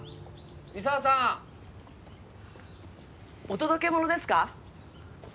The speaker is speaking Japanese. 三沢さんお届け物ですか？